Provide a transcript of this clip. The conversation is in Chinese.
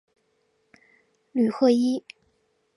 吕赫伊。